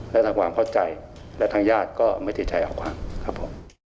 และทั้งความเข้าใจและทางญาติก็ไม่ติดใจเอาความครับผม